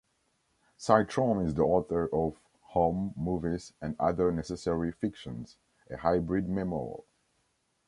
Citron is the author of "Home Movies and Other Necessary Fictions", a hybrid memoir.